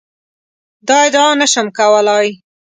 دا ادعا نه شم کولای.